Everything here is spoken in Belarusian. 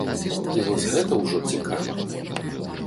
І вось гэта ўжо цікава.